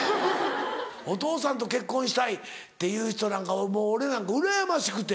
お父さんと結婚したいっていう人なんかもう俺なんかうらやましくて。